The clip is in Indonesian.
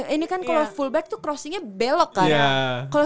ini kan kalau fullback tuh crossingnya belok kan